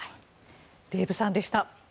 デーブさんでした。